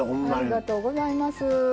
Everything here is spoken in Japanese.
ありがとうございます。